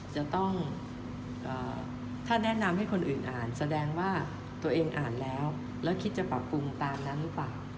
จะต้องถ้าแนะนำให้คนอื่นอ่านแสดงว่าตัวเองอ่านแล้วแล้วคิดจะปรับปรุงตามนั้นหรือเปล่า